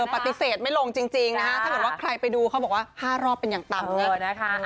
ปฏิเสธไม่ลงจริงถ้าแต่ว่าใครไปดูเขาบอกว่า๕รอบเป็นอย่างต่ำ